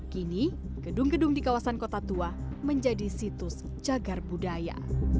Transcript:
kini gedung gedung di kawasan kota tua menjadi situs jagar budaya